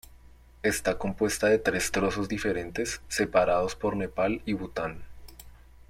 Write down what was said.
Está compuesta de tres trozos diferentes, separados por Nepal y Bután.